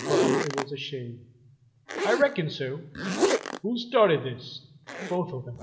"But it was a shame!" "I reckon so." "Who started this?" "Both of them.